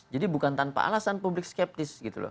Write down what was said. jadi bukan tanpa alasan publik skeptis